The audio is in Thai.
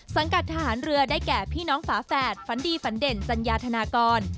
สังกัดทหารเรือได้แก่พี่น้องฝาแฝดฝันดีฝันเด่นจัญญาธนากร